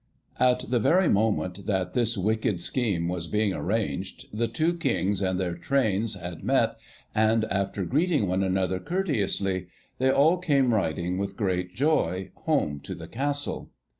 At the very moment that this wicked scheme was being arranged, the two Kings and their trains had met, and after greeting one another courteously they all came riding, with great joy, home to the Castle.